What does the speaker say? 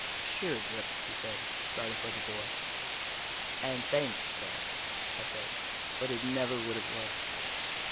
"Sure, Gyp," he said, starting for the door. "And thanks, Fred," I said. "But it never would have worked."